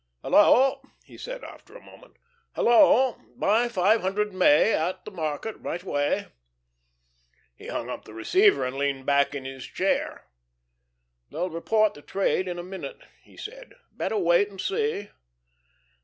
"Hello!" he said after a moment. "Hello! ... Buy five hundred May, at the market, right away." He hung up the receiver and leaned back in his chair. "They'll report the trade in a minute," he said. "Better wait and see."